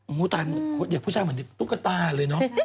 โอ้โฮตายหมดเด็กผู้ชายเหมือนตุ๊กตาเลยเนอะ